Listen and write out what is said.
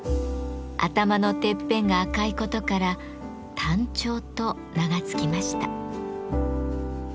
頭のてっぺんが赤いことから「丹頂」と名が付きました。